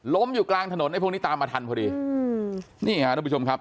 อยู่กลางถนนไอ้พวกนี้ตามมาทันพอดีอืมนี่ฮะทุกผู้ชมครับ